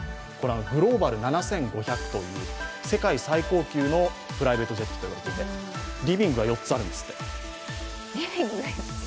グローバル７５００という世界最高級のプライベートジェットと言われていて機内にリビングが４つあるんですって。